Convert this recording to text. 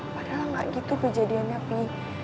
padahal enggak gitu kejadiannya pi